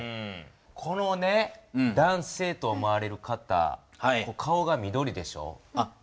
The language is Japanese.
この男性と思われる方顔が緑でしょ。